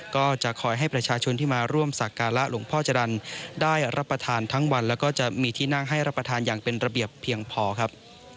ก็จะคอยให้ประชาชนที่มาร่วมสักการะหลวงพ่อจรรย์ได้รับประทานทั้งวันแล้วก็จะมีที่นั่งให้รับประทานอย่างเป็นระเบียบเพียงพอครับ